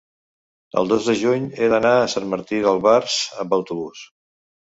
el dos de juny he d'anar a Sant Martí d'Albars amb autobús.